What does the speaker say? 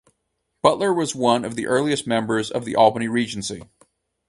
Butler was one of the earliest members of the Albany Regency.